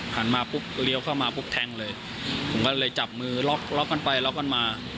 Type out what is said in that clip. มาปุ๊บเลี้ยวเข้ามาปุ๊บแทงเลยผมก็เลยจับมือล็อกล็อกกันไปล็อกกันมา